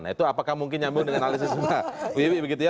nah itu apakah mungkin yang mungkin dengan analisis mbak wiwi ya